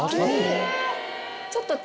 ちょっと。